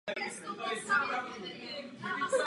Přiznal že je ohnivý hejtman Vavřinec.